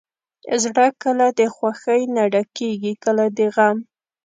زړه کله د خوښۍ نه ډکېږي، کله د غم.